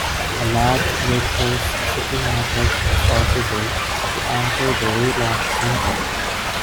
A large Waitrose supermarket was also built, to anchor the relaunched centre.